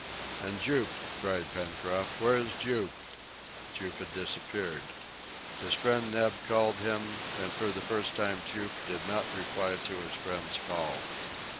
"And Jup!" cried Pencroft; "where is Jup?" Jup had disappeared. His friend Neb called him, and for the first time Jup did not reply to his friend's call.